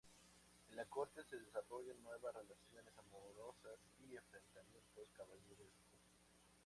En la corte se desarrollan nuevas relaciones amorosas y enfrentamientos caballerescos.